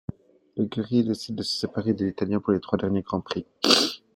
L'écurie décide de se séparer de l'Italien pour les trois derniers Grands Prix.